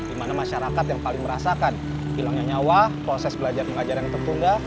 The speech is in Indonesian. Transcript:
di mana masyarakat yang paling merasakan hilangnya nyawa proses belajar mengajar yang tertunda